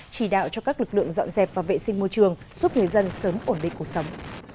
chỉ đạo cho các lực lượng dọn dẹp và vệ sinh môi trường giúp người dân sớm ổn định cuộc sống